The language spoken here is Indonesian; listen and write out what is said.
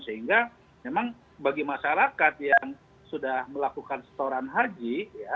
sehingga memang bagi masyarakat yang sudah melakukan setoran haji